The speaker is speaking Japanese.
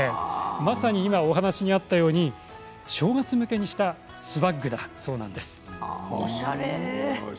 まさに今、お話にあったように正月向けにしたスワッグだそうです。